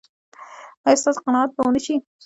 ایا ستاسو قناعت به و نه شي؟